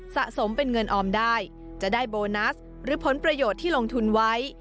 สะสมเป็นเงินออมได้จะได้โบนัสหรือผลประโยชน์ที่ลงทุนไว้